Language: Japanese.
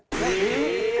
えっ！